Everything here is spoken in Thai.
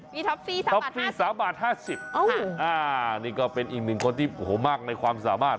มีท็อปฟี่๓ท็อฟฟี่๓บาท๕๐นี่ก็เป็นอีกหนึ่งคนที่โอ้โหมากในความสามารถ